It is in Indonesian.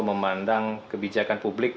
memandang kebijakan publik